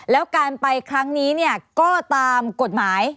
แล้วการไปครั้งนี้เนี่ยก็ตามกฎหมาย